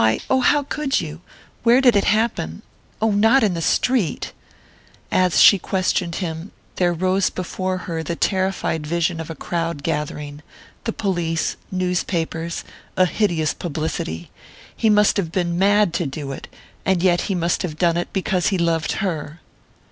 Oh, how could you? Where did it happen oh, not in the street?" As she questioned him, there rose before her the terrified vision of a crowd gathering the police, newspapers, a hideous publicity. He must have been mad to do it and yet he must have done it because he loved her!